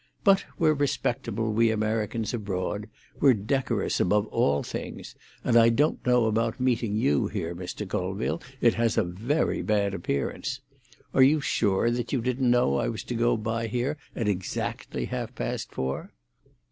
But we're respectable, we Americans abroad; we're decorous, above all things; and I don't know about meeting you here, Mr. Colville. It has a very bad appearance. Are you sure that you didn't know I was to go by here at exactly half past four?"